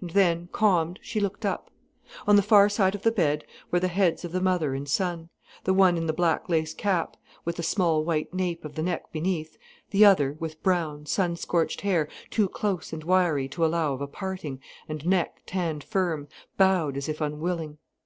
And then, calmed, she looked up. On the far side of the bed were the heads of the mother and son, the one in the black lace cap, with the small white nape of the neck beneath, the other, with brown, sun scorched hair too close and wiry to allow of a parting, and neck tanned firm, bowed as if unwillingly.